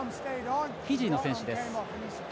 フィジーの選手です。